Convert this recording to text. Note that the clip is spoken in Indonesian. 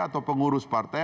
atau pengurus partai